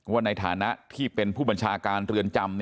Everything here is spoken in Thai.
ในฐานะที่เป็นผู้บัญชาการเรือนจำ